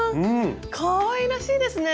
かわいらしいですね！